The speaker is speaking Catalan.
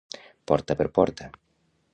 Porta per porta.